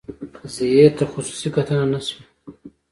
قضیې تخصصي کتنه نه شوې.